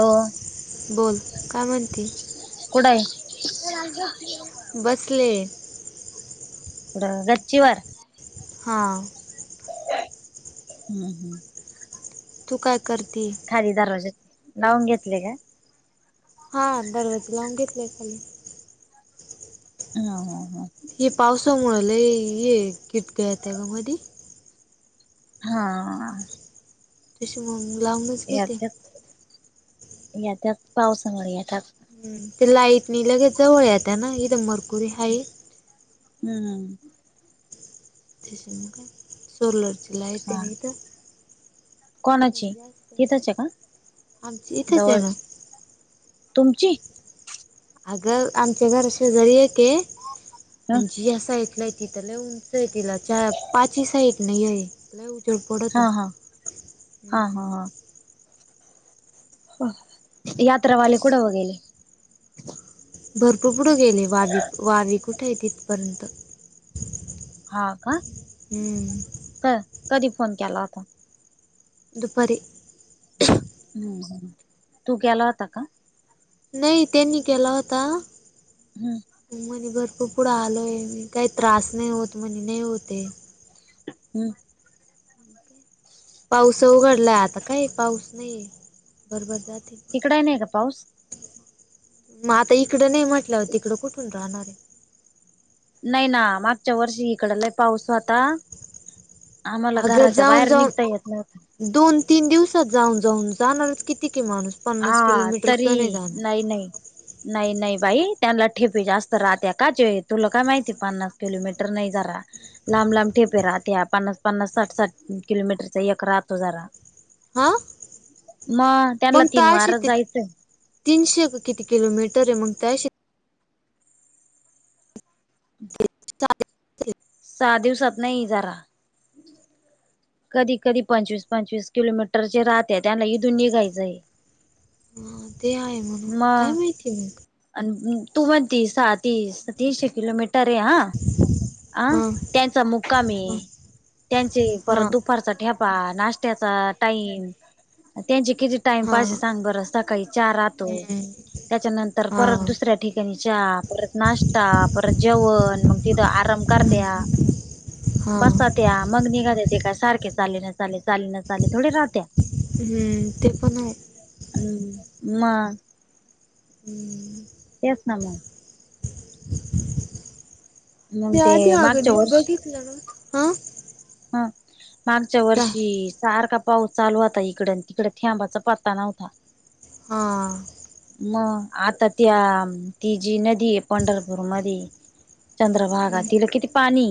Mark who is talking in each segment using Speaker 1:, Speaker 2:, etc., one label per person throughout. Speaker 1: अं,
Speaker 2: बोल काय म्हणती.
Speaker 1: कुठं हाय?
Speaker 2: बसले.
Speaker 1: कुठं? गच्चीवर.
Speaker 2: हा.
Speaker 1: हम्म, हम्म.
Speaker 2: तू काय करती?
Speaker 1: खाली दरवाज्यातं, लावून घेतले काय?
Speaker 2: हा, दरवाजे लावून घेतलेय खाली.
Speaker 1: हा, हा, ह.
Speaker 2: हे पावसामुळ लय हे, हे टिपक्या येतीया ग मधी.
Speaker 1: हा.
Speaker 2: तशी मग लांब आहे.
Speaker 1: येत्यात येतात पावसामुळे येतात.
Speaker 2: ह ते लाईट नि लगेच जवळ येताना इथे मरकुरी हाय.
Speaker 1: हम्म
Speaker 2: त सोलरची लाईट
Speaker 1: हा
Speaker 2: आहे इथं.
Speaker 1: कोणाची तिथंच आहे का
Speaker 2: आमच्या इथचय ना.
Speaker 1: जवळची तुमची?
Speaker 2: अग आमच्या घरा शेजारी एकय
Speaker 1: ह
Speaker 2: आणि या साईडला एक तिथं लय उंच हे तिला चार पाच साईडन हे आहे. उजेड
Speaker 1: हा
Speaker 2: पडतो.
Speaker 1: हा हा हा यात्रा वाले कुठ ब गेले.
Speaker 2: भरपूर पुढे गेली वारी वारी कुठे आहे तिथपर्यंत.
Speaker 1: हां का.
Speaker 2: हम्
Speaker 1: क कधी फोन केला होता?
Speaker 2: दुपारी.
Speaker 1: तू केला होता का?
Speaker 2: नाही त्यांनी केला होता.
Speaker 1: हम्म
Speaker 2: म्हणे भरपूर पुढे आलोय मी काही त्रास नाही होत म्हणे नाही होतय.
Speaker 1: हम्म
Speaker 2: पाऊस उघडलाय आता काय पाऊस नाहीे बरोबर जातील.
Speaker 1: तिकड नाही का पाऊस?
Speaker 2: मग आता इकड नाही म्हटल्यावर तिकड कुठून राहणार. हे
Speaker 1: नाही ना मागच्या वर्षी इकड लय पाऊस होता. आम्हाला
Speaker 2: अगं
Speaker 1: घराच्या
Speaker 2: जाऊन
Speaker 1: बाहेर
Speaker 2: जाऊन
Speaker 1: निघता येत नव्हत.
Speaker 2: दोन तीन दिवसात जाऊन जाऊन जाणारच कितीकय माणूस. पन्नास
Speaker 1: हा
Speaker 2: किलोमीटर सुद्धा
Speaker 1: तरी
Speaker 2: नाही जाणार
Speaker 1: नाही नाही. नाही नाही बाई त्यांना ठेपे जास्त राहत का जे तुला काय माहिती पण. किलोमीटर नाही जरा. लांब लांब ठेपे राहत्या पन्नास पन्नास साठ साठ किलोमीटरचा एक राहतो जरा.
Speaker 2: हां
Speaker 1: मग त्यानला.
Speaker 2: [unintelligible] तीनशे किती किलमीटर आहे मग त्याची. [inaudible]
Speaker 1: सहा दिवसात नाही जरा कधी कधी पंचवीस पंचवीस किलोमीटरचे राहते त्यांना इथुन निघायचय.
Speaker 2: हा ते आहे मग काय माहितीय.
Speaker 1: अ तू म्हणती सहा तीस तीनशे किलोमीटर. तर हा अ
Speaker 2: हां
Speaker 1: त्यांचा मुक्काम
Speaker 2: हां
Speaker 1: आहे त्यांचे
Speaker 2: हां
Speaker 1: चा ठेपा नाशत्याचा टाईम त्यांचे किती टाइम पास
Speaker 2: हां
Speaker 1: आहे सांग बर सकाळी चहा राहतो.
Speaker 2: हं,
Speaker 1: त्याच्यानंतर
Speaker 2: हां
Speaker 1: परत दुसऱ्या ठिकाणी चहा परत नाश्ता परत जेवण मग तिथ आराम करत्या
Speaker 2: हम्म. हां
Speaker 1: बसात्या मग निघातात तीथू काय सारखे चालेल ना चालेल चालेल ना चालेल थोडी राहत्या‌
Speaker 2: हम्म, ते पण हाय.
Speaker 1: हम, म.
Speaker 2: हम्.
Speaker 1: तेच ना मग. मग
Speaker 2: मी आधी
Speaker 1: ते मागच्या
Speaker 2: अगदित
Speaker 1: वर्षी
Speaker 2: बघितलं ना? हा
Speaker 1: ह, मागच्या वर्षी सारखा पाऊस चालू होता इकड, आणि तिकड थेबाचा पत्ता नव्हता.
Speaker 2: हा.
Speaker 1: मग, आता त्या ती जी नदी आहे पंढरपूर मध्ये. चंद्रभागा तिला किती पाणी?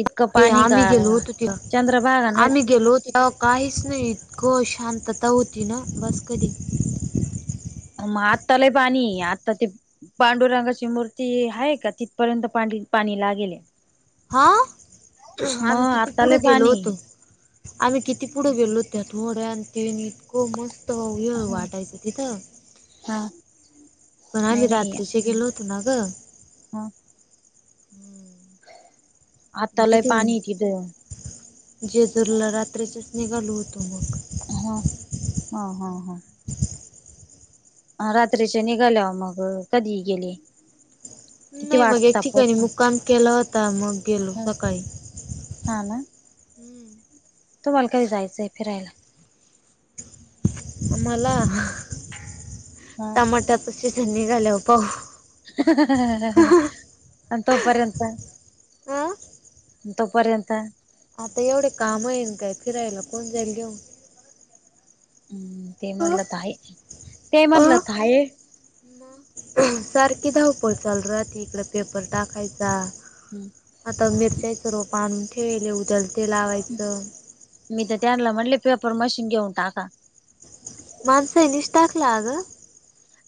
Speaker 1: इतकं
Speaker 2: ते
Speaker 1: पाणी का
Speaker 2: आम्ही गेलो होतो तेव्हा,
Speaker 1: चंद्रभागा न
Speaker 2: आम्ही गेलो होतो त्या काहीच नाही, इतकं शांतता होती ना बस कधी
Speaker 1: म आत्ता लई पाणी, आता ते पांडुरंगाची मूर्ती आहे का, तिथपर्यंत पाणी लागेले.
Speaker 2: हा, आम्ही किती
Speaker 1: आता
Speaker 2: पुढ
Speaker 1: लय
Speaker 2: गेलो
Speaker 1: पाणी
Speaker 2: होतो. आम्ही किती पुढे गेलो होतो, त्यात थोड्या आणि ते इतको मस्त य
Speaker 1: हा
Speaker 2: वाटायचं तिथं, पण
Speaker 1: नाही
Speaker 2: आम्ही रात्रीचे गेलो होत ना गं.
Speaker 1: हा.
Speaker 2: हम्म. मग
Speaker 1: आता लय
Speaker 2: तिथून,
Speaker 1: पाणी तिथं
Speaker 2: जेजूरीला रात्रीचेच निघालो होतो मग.
Speaker 1: हा, हा, हा, हा. रात्रीचे निघाल्यावर मग कधी गेले? किती
Speaker 2: नाही मग, एक
Speaker 1: वाजता
Speaker 2: ठिकाणी
Speaker 1: पोहोचले
Speaker 2: मुक्काम केलं होता, मग गेलो सकाळी.
Speaker 1: हा, ना.
Speaker 2: हम्म.
Speaker 1: तुम्हाला काय जायचंय फिरायला?
Speaker 2: आम्हाला,
Speaker 1: हा
Speaker 2: टमाट्याच शीन्न निघाल्यावर पाहू.
Speaker 1: आणि तो पर्यंत.
Speaker 2: अ
Speaker 1: तोपर्यंत.
Speaker 2: आता एवढे काम येऊन, काय फिरायला कोण जाईल घेऊन.
Speaker 1: हम्म, ते
Speaker 2: अ
Speaker 1: म्हणलं तर आहे, ते म्हणलं तर आहे.
Speaker 2: म. सारखी धावपळ चालू राहती इकडं पेपर टाकायचा.
Speaker 1: हम्म.
Speaker 2: आता मिरच्याचं रोप आणून ठेवलेले उद्याल ते लावायचं.
Speaker 1: मी तर त्यांनला म्हटले पेपर मशीन घेऊन टाका.
Speaker 2: माणसांनीच टाकला आगं.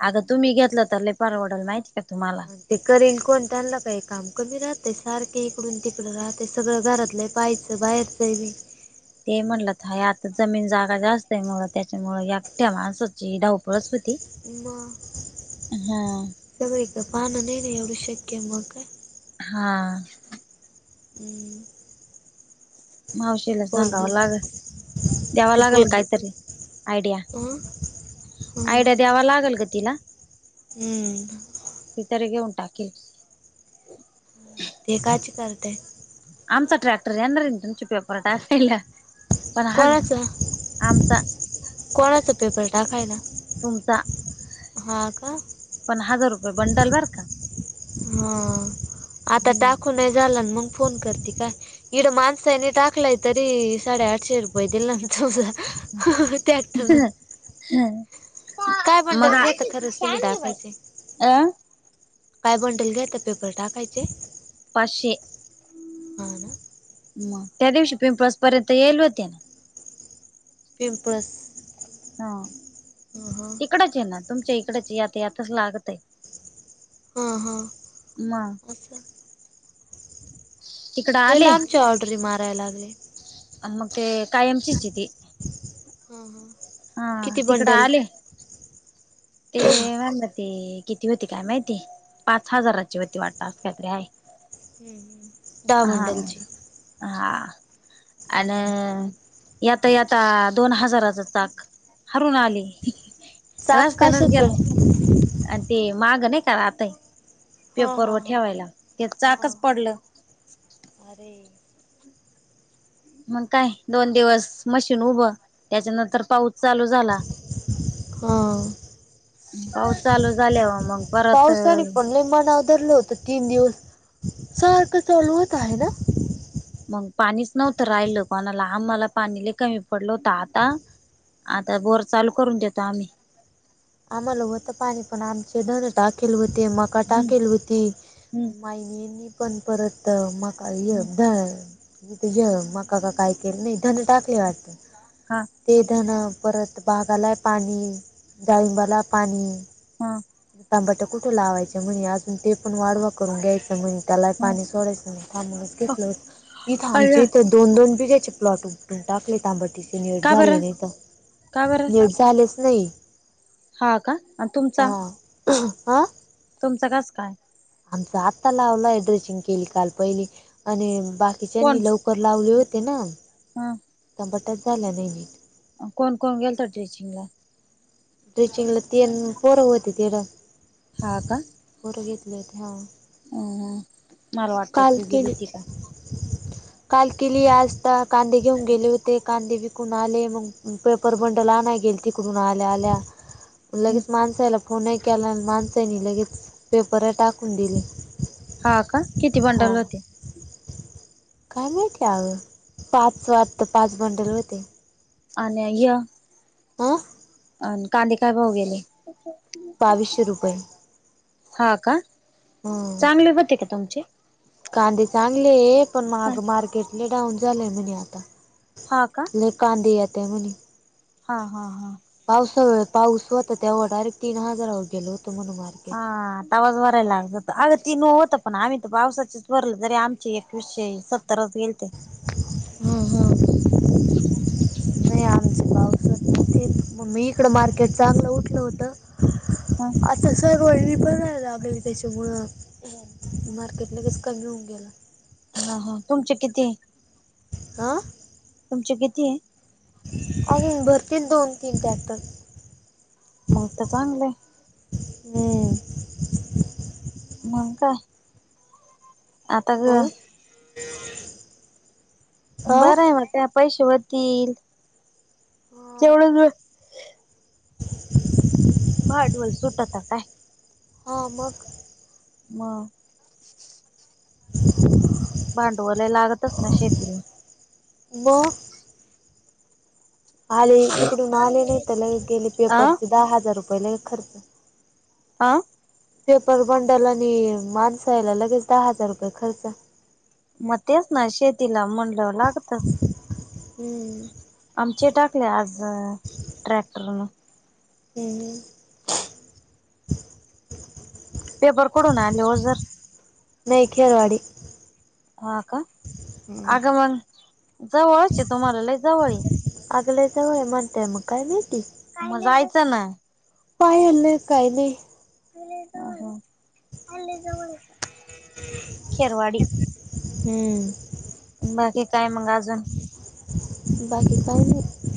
Speaker 1: आगं तुम्ही घेतलं तर, लई परवडल माहिती का तुम्हाला.
Speaker 2: ते करीन कोण त्याणलं काही काम कमी राहतंय, सारखे इकडून- तिकडं राहतय सगळं घरातलं पाहिज ते बाहेरच हाय व्हय.
Speaker 1: ते म्हणलंत हा आता जमीन जागा जास्त हाय, त्याच्यामुळ एकठ्या माणसाची धावपळच होती.
Speaker 2: म,
Speaker 1: हा
Speaker 2: सगळीकड पाहणं नाही नई एवढं शक्य मग काय.
Speaker 1: हा.
Speaker 2: हम्.
Speaker 1: मावशीला सांगाव लागल द्याव
Speaker 2: ते
Speaker 1: लागेल
Speaker 2: पोरग
Speaker 1: काहीतरी आयडिया.
Speaker 2: अं हं
Speaker 1: आयडिया द्यावा लागेल ग तिला.
Speaker 2: हम्म
Speaker 1: ती तरी घेऊन टाकील.
Speaker 2: ते काच करते.
Speaker 1: आमचा ट्रॅक्टर येणारय ना तुमचे पेपर टाकायला. पण आज
Speaker 2: कोनाच
Speaker 1: आमचा
Speaker 2: कोणाचा पेपर टाकायला?
Speaker 1: तुमचा
Speaker 2: हां का
Speaker 1: पण हजार रुपये बंडल बर का?
Speaker 2: हा आता टाकून नाही झाला मग? फोन करते का इथ माणसांनी टाकलाय तरी साडेआठशे रुपये. रुपये दिले नाही तुझं ट्रॅक्टरन. काय बंडल
Speaker 1: मगा
Speaker 2: घेता खरंच तुम्ही टाकायचे
Speaker 1: अं
Speaker 2: काय बंडल घेता पेपर टाकायचे.
Speaker 1: पाचशे.
Speaker 2: हां ना
Speaker 1: मग त्या दिवशी पिंपळस पर्यंत येईले होते.
Speaker 2: पीमपळस
Speaker 1: हा इकडच येणार तुमच्या इकडच येता येताच लागत आहे.
Speaker 2: हा हा
Speaker 1: मग?
Speaker 2: असं लई लांबच्या ऑर्डरी मारायला लागले.
Speaker 1: आणि मग ते कायमचीचय ती.
Speaker 2: हां हां
Speaker 1: हा
Speaker 2: किती
Speaker 1: तिकडं
Speaker 2: बंडल?
Speaker 1: आले. ते म ते किती होती काय माहिती पाच हजाराची होती वाटत अस काय तरी आहे.
Speaker 2: हम्म हम्म
Speaker 1: हां हां आण येता येता दोन हजाराच चाक हरऊन आले.
Speaker 2: चाक
Speaker 1: रस्त्यानच गेल.
Speaker 2: कशाच
Speaker 1: आणि ते माग नाही का आताही पेपरवर ठेवायला ते चाकच पडल.
Speaker 2: आरे
Speaker 1: मग काय दोन दिवस मशीन उभ त्याच्यानंतर पाऊस चालू झाला.
Speaker 2: हां
Speaker 1: पाऊस चालू झालेवर मग परत
Speaker 2: नाही मनाव धरलं होतं तीन दिवस सारखं चालू होता हाय ना.
Speaker 1: मग पाणीच नव्हत राहिल कोणाला आम्हाला पाणी लय कमी पडल होत आता. आता बोर चालू करून देतो आम्ही.
Speaker 2: आम्हाला होत पाणी पण आमचे धन टाकेल होते मग. कटा
Speaker 1: हम्म
Speaker 2: केली होती
Speaker 1: हम्म
Speaker 2: मायनीं ती पण परत मका ध तुझा ह्यात मका का का काय केलं नाही धन टाकले वाटत.
Speaker 1: हां
Speaker 2: ते धण परत बागाला पाणी, डाळिंबाला पाणी.
Speaker 1: हा
Speaker 2: तंबाट कुठे लावायच म्हणे अजून ते पण वाडवा करून घ्यायच म्हणे. त्याला
Speaker 1: हा
Speaker 2: पाणी सोडायच थांबणूनच
Speaker 1: अ
Speaker 2: घेतल इथ आमच्या इथ दोन दोन बिघायचे प्लॉट होते. टाकले तांबट ते नीट
Speaker 1: का
Speaker 2: झाले
Speaker 1: बरं
Speaker 2: नाही तर
Speaker 1: का बरं
Speaker 2: नीट झालेच नाही.
Speaker 1: हा का. आणि
Speaker 2: हा, ह, आ.
Speaker 1: तुमचं कस काय?
Speaker 2: आमच आता लावलाय ड्रेसिंग केली काल पहिली, आणि बाकीच्यांनी लव कर लावले होते ना.
Speaker 1: हां.
Speaker 2: चबाट्या झाल्या नाही निट.
Speaker 1: कोण -कोण गेलत टीचिंगला?
Speaker 2: ट्रीचिंगला तीन पोरं होते तिकड.
Speaker 1: हा का.
Speaker 2: पोरं घेतले होते हां.
Speaker 1: अं, हम्म
Speaker 2: काल केली, काल केली आज आता कांदे घेऊन गेले होते, कांदे बी तिकून आले मग, पेपर बंडल नाही गेलत तिकडून आल्या -आल्या, लगेच माणसायला हो, फोन नाही केला. माणसानी लगेच पेपर टाकून दिले.
Speaker 1: हा का, किती
Speaker 2: हा
Speaker 1: बंडल होते?
Speaker 2: काय माहीती अगं, पाच वाटत, पाच बंडल होते.
Speaker 1: आन्या, येह.
Speaker 2: आ.
Speaker 1: अन, कांदे काय भाव गेले?
Speaker 2: बावीसशे रुपये
Speaker 1: हा का?
Speaker 2: हं
Speaker 1: चांगले व्हते का तुमचे?
Speaker 2: कांदे चांगले, पण महागं
Speaker 1: हा
Speaker 2: मार्केट लय डाऊन झालेय म्हणे
Speaker 1: का
Speaker 2: आता. कांदे येतय म्हने.
Speaker 1: हा, हा, हा.
Speaker 2: पावसाळ्यात, पाऊस होता तेव्हा डायरेक्ट तीन हजारावर गेल होतं म्हण मारकेट.
Speaker 1: हा, तवाज भराय लागत होतं, अग तीन होतं पण आम्ही तर पावसाची भरलं तरी आमचे एकवीसशे सत्तरच गेलते.
Speaker 2: हं, ह. नाही आमचे पाऊसत नव्हती, मग मी इकडं मार्केट चांगलं उठलं होतं.
Speaker 1: ह
Speaker 2: [unintelligible] होय मी पण नाय राबली त्याच्यामुळं, मार्केट लगेच कमी होऊन गेल.
Speaker 1: हा, हा तुमचे किती?
Speaker 2: आं.
Speaker 1: तुमचे किती?
Speaker 2: अजून भरतील दोन -तीन ट्रकटर
Speaker 1: मग तर चांगलय.
Speaker 2: हहम्म.
Speaker 1: मंग कांय?
Speaker 2: हो. हा
Speaker 1: बरं हाय म त्या पैशे होतील, तेवढच व्हय?
Speaker 2: [inaudible]
Speaker 1: वाढदिवस सुटता काय?
Speaker 2: हॊ मग.
Speaker 1: मं.
Speaker 2: [inaudible]
Speaker 1: भांडवलाय लागतच ना शेतीला.
Speaker 2: मग. आले तिकडून आले नाही तर ले गेले
Speaker 1: अ
Speaker 2: पेपरचे दहा हजार रुपये ले खर्च.
Speaker 1: आ,
Speaker 2: पेपर बंडल आणि माणसायाला लगेच दहा हजार रुपये खर्च.
Speaker 1: मग तेच ना शेतीला म्हणलंव लागत.
Speaker 2: हम्म.
Speaker 1: आमचे टाकले आज ट्रॅक्टरन.
Speaker 2: हम हम.
Speaker 1: पेपर कडून आले हो जर.
Speaker 2: नाही खेरवाडी.
Speaker 1: हा का अगं मग जवळचे तुम्हालाला जवळ.
Speaker 2: अगलचाव एनत म काय ग.
Speaker 1: म जायचं ना.
Speaker 2: पाय हल्लंय काही नाही.
Speaker 1: खेरवाडी.
Speaker 2: हम्म.
Speaker 1: बाकी काय मग अजून.
Speaker 2: बाकी काय नाही.